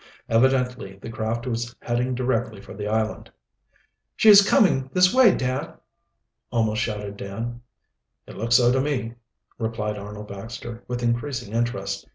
Evidently the craft was heading directly for the island. "She is coming this way, dad!" almost shouted Dan. "It looks so to me," replied Arnold Baxter, with increasing interest.